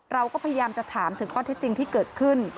เราก็พยายามจะถามถึงข้อที่จริงที่เกิดขึ้น